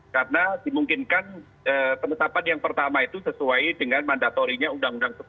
karena dimungkinkan penetapan yang pertama itu sesuai dengan mandatorinya undang undang sebelas dua ribu dua puluh dan bp tiga puluh enam